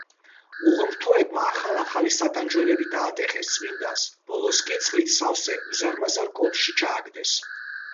უღმრთოებმა ახალ-ახალი სატანჯველები დაატეხეს წმიდანს, ბოლოს კი წყლით სავსე უზარმაზარ კოდში ჩააგდეს.